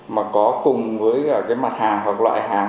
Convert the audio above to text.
mà có cùng với mặt hàng hoặc loại hàng